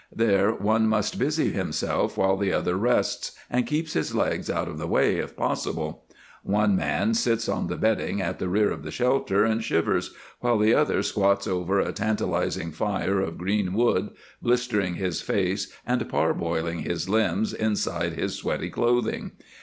There one must busy himself while the other rests and keeps his legs out of the way if possible. One man sits on the bedding at the rear of the shelter, and shivers, while the other squats over a tantalizing fire of green wood, blistering his face and parboiling his limbs inside his sweaty clothing.